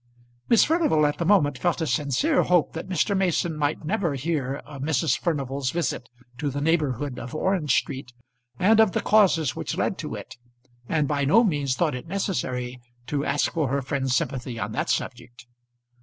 Miss Furnival at the moment felt a sincere hope that Mr. Mason might never hear of Mrs. Furnival's visit to the neighbourhood of Orange Street and of the causes which led to it, and by no means thought it necessary to ask for her friend's sympathy on that subject.